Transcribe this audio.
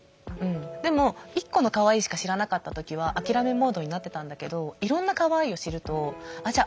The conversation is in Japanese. でも１個のかわいいしか知らなかった時は諦めモードになってたんだけどいろんなかわいいを知るとじゃあ